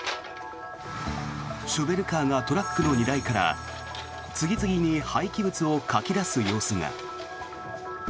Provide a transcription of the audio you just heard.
ショベルカーがトラックの荷台から次々に廃棄物をかき出す様子が。